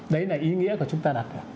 đấy là ý nghĩa của chúng ta đặt